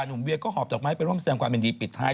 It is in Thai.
หนุ่มเวียก็หอบจากไม้ไปร่วมแสดงความเป็นดีปิดท้าย